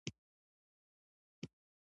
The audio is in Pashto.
وده په لومړي سر کې پڅه او وروسته ودرېده.